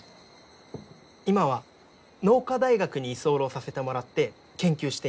今は農科大学に居候させてもらって研究しています。